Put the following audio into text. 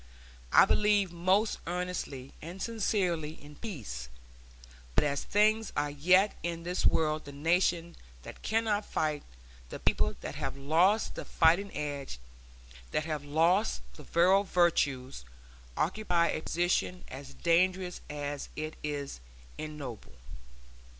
I believe most earnestly and sincerely in peace, but as things are yet in this world the nation that cannot fight, the people that have lost the fighting edge, that have lost the virile virtues, occupy a position as dangerous as it is ignoble.